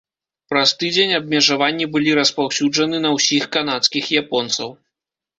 Праз тыдзень абмежаванні былі распаўсюджаны на ўсіх канадскіх японцаў.